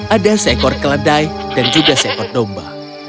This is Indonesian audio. ada seekor keledai dan juga seekor domba